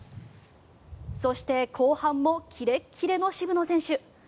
そして後半もキレキレの渋野選手。